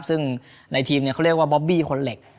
ซึ่งในทีมเขาเรียกว่าบอบบี้คนเหล็ก